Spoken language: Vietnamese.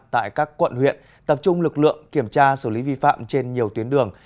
tại các quận huyện tập trung lực lượng kiểm tra xử lý vi phạm trên nhiều tuyến đường